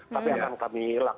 tapi akan kami lakukan